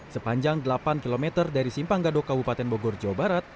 sepanjang delapan km dari simpang gadok kabupaten bogor jawa barat